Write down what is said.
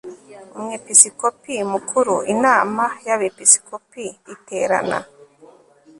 umwepisikopi mukuru inama y abepiskopi iterana